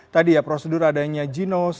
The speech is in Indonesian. tadi ya prosedur adanya ginos